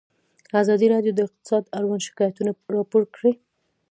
ازادي راډیو د اقتصاد اړوند شکایتونه راپور کړي.